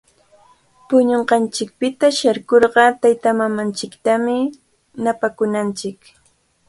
Puñunqanchikpita sharkurqa taytamamanchiktami napakunanchik.